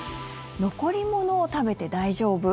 残り物を食べて大丈夫？